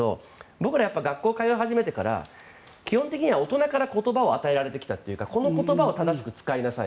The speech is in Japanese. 僕ら学校に通い始めてから基本的に大人から言葉を与えられてきたというかこの言葉を正しく使いなさい